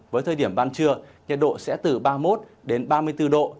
với thời điểm ban trưa nhiệt độ sẽ từ ba mươi một đến ba mươi bốn độ